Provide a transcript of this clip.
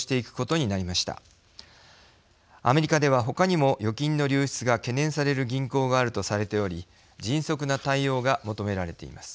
アメリカではほかにも預金の流出が懸念される銀行があるとされており迅速な対応が求められています。